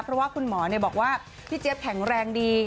เพราะว่าคุณหมอบอกว่าพี่เจี๊ยบแข็งแรงดี